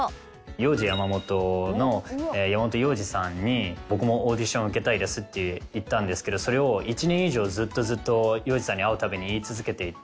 ヨウジヤマモトの山本耀司さんに「僕もオーディションを受けたいです」って言ったんですけどそれを１年以上ずっとずっと耀司さんに会うたびに言い続けていて。